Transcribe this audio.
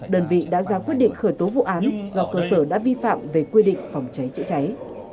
đơn vị đã ra quyết định khởi tố vụ án do cơ sở đã vi phạm về quy định phòng cháy chữa cháy